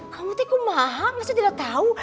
kamu tuh ikut mahal masih tidak tau